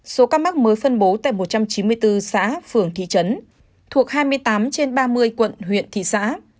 số ca mắc mới phân bố tại một trăm chín mươi bốn xã phường thị trấn thuộc hai mươi tám trên ba mươi quận huyện thị xã